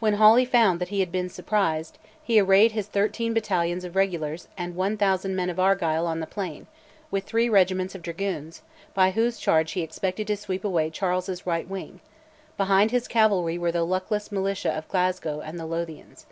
When Hawley found that he had been surprised he arrayed his thirteen battalions of regulars and 1000 men of Argyll on the plain, with three regiments of dragoons, by whose charge he expected to sweep away Charles's right wing; behind his cavalry were the luckless militia of Glasgow and the Lothians.